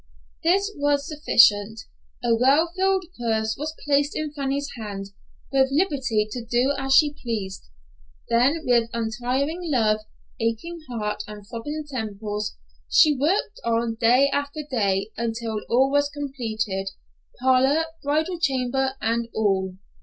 This was sufficient. A well filled purse was placed in Fanny's hands, with liberty to do as she pleased. Then with untiring love, aching heart and throbbing temples, she worked on day after day, until all was completed, parlor, bridal chamber and all.